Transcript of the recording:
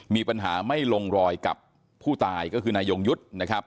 มีปัญหาไม่ลงรอยกับผู้ตายก็คือนายยงยุทธ์นะครับ